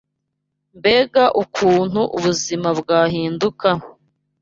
Mbega ukuntu ubuzima bwahinduka